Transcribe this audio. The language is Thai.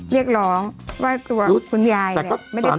เรียกร้องว่าตัวคุณยายเนี่ยไม่ได้